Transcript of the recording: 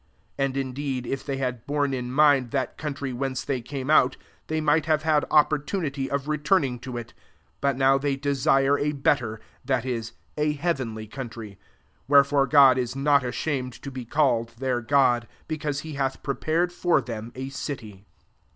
15 And indeed if they had borne in mind that country whence they came out, they might have had opportunity of returning to it : 16 but now they desire a better, that is, a hea venly country. Wherefore God is not ashamed to be called their God : because he hath pre pared for them a city.